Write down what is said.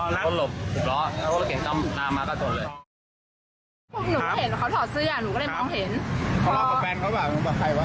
แล้วก็ออกเรื่องตามมาจะกำถัง